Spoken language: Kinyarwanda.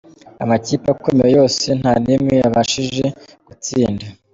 Amakipe akomeye yose nta n’imwe yabashije gutsinda